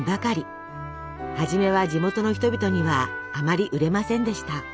初めは地元の人々にはあまり売れませんでした。